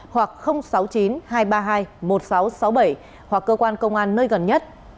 hoặc sáu mươi chín hai trăm ba mươi hai một nghìn sáu trăm sáu mươi bảy hoặc cơ quan công an nơi gần nhất